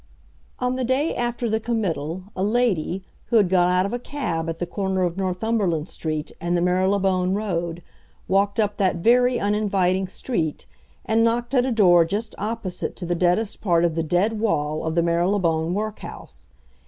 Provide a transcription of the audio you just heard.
On the day after the committal a lady, who had got out of a cab at the corner of Northumberland Street, in the Marylebone Road, walked up that very uninviting street, and knocked at a door just opposite to the deadest part of the dead wall of the Marylebone Workhouse.